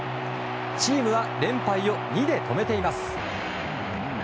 チームは連敗を２で止めています。